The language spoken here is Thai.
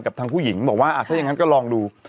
ทางผู้หญิงบอกว่าถ้าอย่างนั้นก็ลองดู